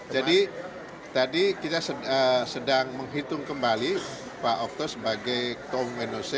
jadi tadi kita sedang menghitung kembali pak oktos sebagai komunis noc